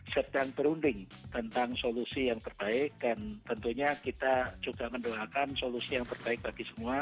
sedang berunding tentang solusi yang terbaik dan tentunya kita juga mendoakan solusi yang terbaik bagi semua